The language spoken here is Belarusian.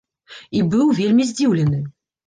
І быў вельмі здзіўлены.